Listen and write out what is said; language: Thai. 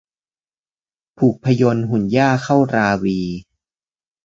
ผูกพยนต์หุ่นหญ้าเข้าราวี